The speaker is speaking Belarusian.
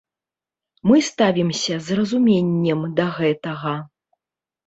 Мы ставімся з разуменнем да гэтага.